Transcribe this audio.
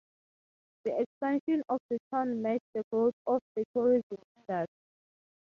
The expansion of the town matched the growth of the tourism industry.